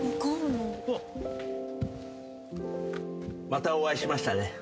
またお会いしましたね。